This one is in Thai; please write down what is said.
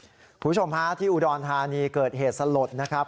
คุณผู้ชมฮะที่อุดรธานีเกิดเหตุสลดนะครับ